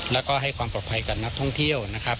แล้วก็ให้ความปลอดภัยกับนักท่องเที่ยวนะครับ